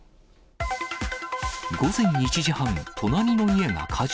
午前１時半、隣の家が火事。